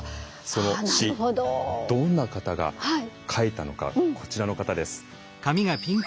その詩どんな方が書いたのかこちらの方です。